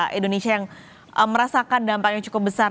indonesia yang merasakan dampak yang cukup besar